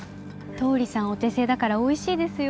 倒理さんお手製だからおいしいですよ。